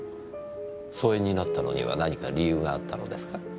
疎遠になったのには何か理由があったのですか？